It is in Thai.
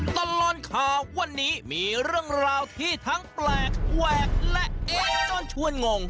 ตอนร้อนค่ะวันนี้มีเรื่องราวที่ทั้งแปลกแหวกและจ้อนชวนงง